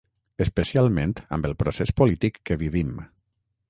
Especialment amb el procés polític que vivim.